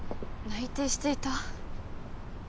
内偵していた？